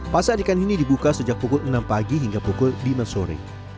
pasar ikan ini dibuka sejak pukul enam pagi hingga pukul lima sore